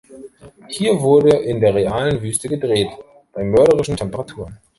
Hier wurde in der realen Wüste gedreht, bei mörderischen Temperaturen.